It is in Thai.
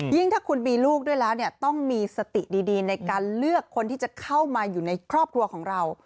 ถ้าคุณมีลูกด้วยแล้วเนี่ยต้องมีสติดีในการเลือกคนที่จะเข้ามาอยู่ในครอบครัวของเรา